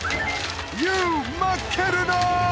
ＹＯＵ負けるな！